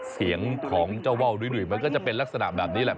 เสียงของเจ้าว่าวดุ้ยมันก็จะเป็นลักษณะแบบนี้แหละ